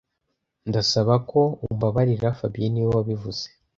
Ndasaba ko umbabarira fabien niwe wabivuze